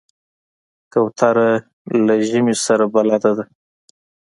کوتره له ژمي سره بلد ده.